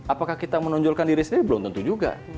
apakah kita menonjolkan diri sendiri belum tentu juga